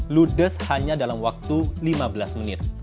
ludes hanya dalam waktu lima belas menit